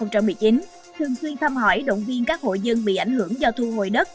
thường xuyên thăm hỏi động viên các hội dân bị ảnh hưởng do thu hồi đất